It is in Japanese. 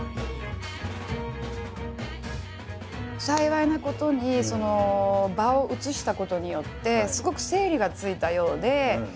幸いなことに場を移したことによってすごく整理がついたようで。